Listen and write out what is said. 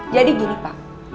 jadi gini pak